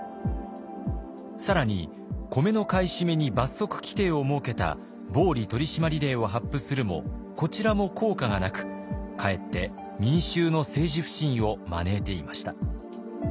更に米の買い占めに罰則規定を設けた暴利取締令を発布するもこちらも効果がなくかえって民衆の政治不信を招いていました。